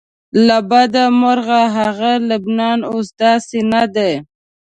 له بده مرغه هغه لبنان اوس داسې نه دی.